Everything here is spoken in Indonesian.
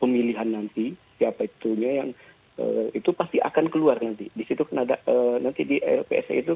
pemilihan nanti siapa itu yang itu pasti akan keluar nanti di situ kenada nanti di rps itu